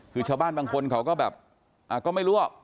คือชาวบ้านบางคนเขาก็แบบก็ไม่รู้หรอก